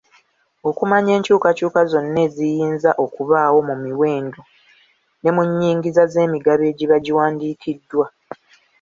Okumanya enkyukakyuka zonna eziyinza okubaawo mu miwendo ne mu nyingiza z'emigabo egiba giwandiikiddwa.